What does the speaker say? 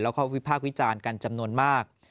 แล้วก็วิพากษ์วิจารณ์กันจำนวนมาก